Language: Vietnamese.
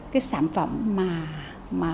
cái sản phẩm mà